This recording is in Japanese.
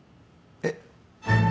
えっ？